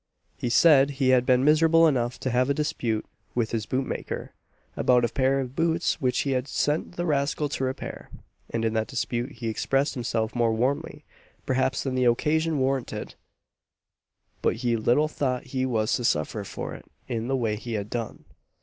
He said he had been miserable enough to have a dispute with his boot maker, about a pair of boots which he had sent the rascal to repair; and in that dispute he expressed himself more warmly, perhaps, than the occasion warranted; but he little thought he was to suffer for it in the way he had done.